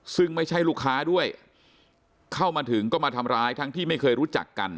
ซึ่งไม่ใช่ลูกค้าด้วยเข้ามาถึงก็มาทำร้ายทั้งที่ไม่เคยรู้จักกัน